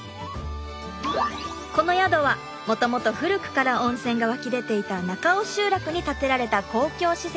この宿はもともと古くから温泉が湧き出ていた中尾集落に建てられた公共施設。